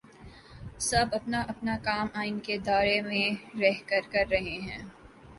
سب اپنا اپنا کام آئین کے دائرے میں رہ کر رہے ہیں۔